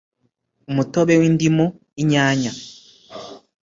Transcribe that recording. Umutobe wi ndimu inyanya …